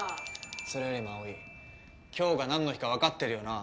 それよりも葵今日がなんの日かわかってるよな？